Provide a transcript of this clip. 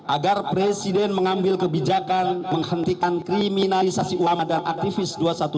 agar presiden mengambil kebijakan menghentikan kriminalisasi ulama dan aktivis dua ratus dua belas